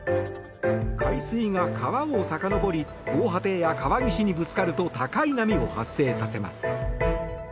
海水が川をさかのぼり防波堤や川岸にぶつかると高い波を発生させます。